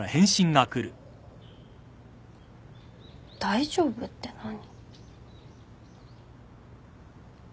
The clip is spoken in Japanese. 「大丈夫」って何？